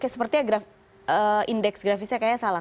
sepertinya indeks grafisnya kayaknya salah